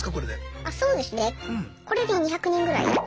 あそうですね。これで２００人ぐらい。